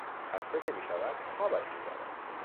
خسته که میشود خوابش میبرد.